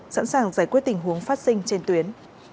sẵn sàng giải quyết tình huống phát sinh trên tuyến